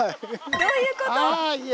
どういうこと？